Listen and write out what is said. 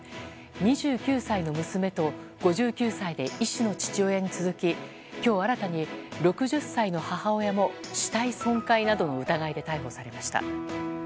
２９歳の娘と５９歳で医師の父親に続き今日新たに、６０歳の母親も死体損壊などの疑いで逮捕されました。